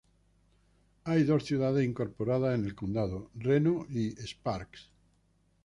Hay dos ciudades incorporadas en el condado: Reno and Sparks.